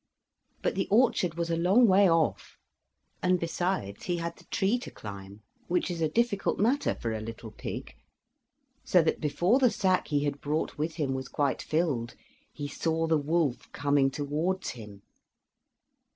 But the orchard was a long way off, and besides, he had the tree to climb, which is a difficult matter for a little pig, so that before the sack he had brought with him was quite filled he saw the wolf coming towards him.